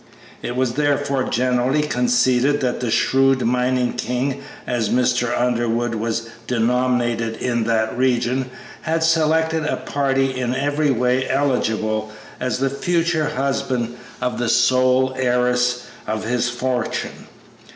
It was therefore generally conceded that the shrewd "mining king," as Mr. Underwood was denominated in that region, had selected a party in every way eligible as the future husband of the sole heiress of his fortune.